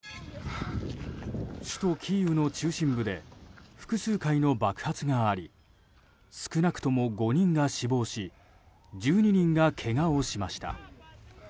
首都キーウの中心部で複数回の爆発があり少なくとも５人が死亡し１２人がけがをしました。